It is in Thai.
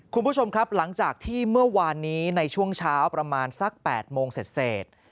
คุณผู้ชมครับหลังจากที่เมื่อวานนี้ในช่วงเช้าประมาณสัก๘โมงเสร็จ